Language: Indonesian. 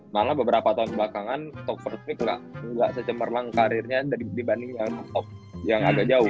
malah beberapa tahun kebelakangan top first pick gak secemerlang karirnya dibanding yang top yang agak jauh